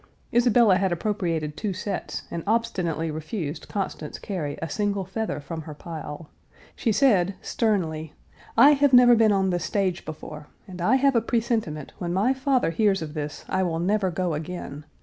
Isabella had appropriated two sets and obstinately refused Constance Cary a single feather from her pile. She said, sternly: "I have never been on the stage before, and I have a presentiment when my father hears of this, I will never go again.